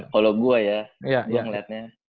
kalau gue ya gue ngeliatnya